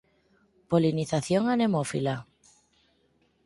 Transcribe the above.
Polinización anemófila.